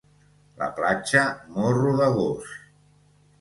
La platja Morro de Gos